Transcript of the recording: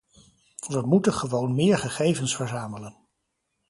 We moeten gewoon meer gegevens verzamelen.